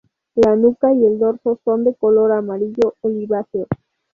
La nuca y el dorso son de color amarillo oliváceo.